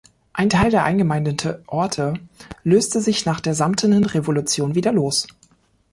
Ein Teil der eingemeindete Orte löste sich nach der Samtenen Revolution wieder los.